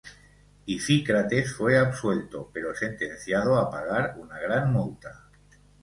Ifícrates fue absuelto, pero sentenciado a pagar una gran multa.